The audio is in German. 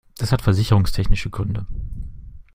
Das hat versicherungstechnische Gründe.